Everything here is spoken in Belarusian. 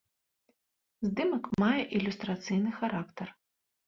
Здымак мае ілюстрацыйны характар.